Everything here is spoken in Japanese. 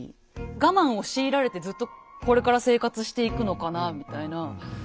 我慢を強いられてずっとこれから生活していくのかなみたいな。